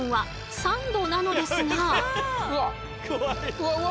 うわうわ！